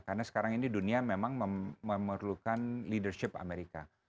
karena sekarang ini dunia memang memerlukan leadership amerika